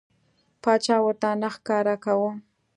باچا ورته نه ښکاره کاوه.